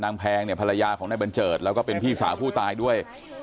แพงเนี่ยภรรยาของนายบัญเจิดแล้วก็เป็นพี่สาวผู้ตายด้วย